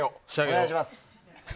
お願いします。